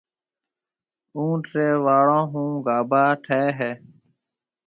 اُونٺ ريَ واݪون هون گاڀا ٺهيَ هيَ۔